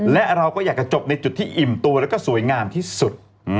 และเราก็อยากจะจบในจุดที่อิ่มตัวแล้วก็สวยงามที่สุด